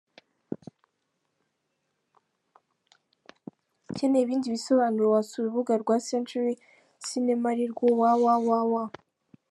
Ukeneye ibindi bisobanuro wasura urubaga rwa Century Cinema arirwo www.